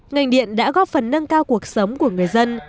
ngành điện đã góp phần nâng cao cuộc sống của người dân